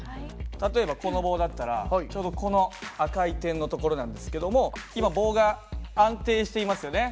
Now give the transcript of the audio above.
例えばこの棒だったらちょうどこの赤い点のところなんですけども今棒が安定していますよね。